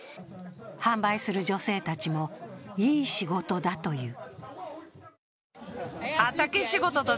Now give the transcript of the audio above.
販売する女性たちもいい仕事だと言う。